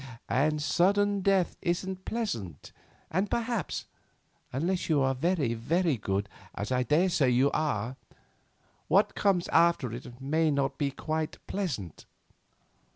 And sudden death isn't pleasant, and perhaps—unless you are very, very good, as I daresay you are—what comes after it may not be quite pleasant.